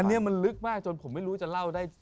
อันนี้มันลึกมากจนผมไม่รู้จะเล่าได้